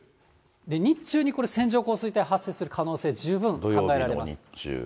日中にこれ、線状降水帯発生する可能性、十分考えられます。